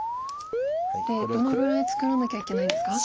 でどのぐらい作らなきゃいけないんですか？